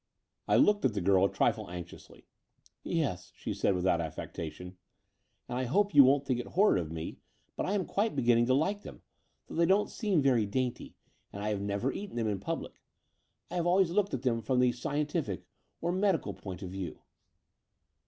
I looked at the girl a trifle anxiously, "Yes," she said without affectation; "and I hope you won't think it horrid of me, but I am quite beginning to like them, though they don't seem very dainty, and I have never eaten them in public. I have always looked at them from the scientific or medical point of view."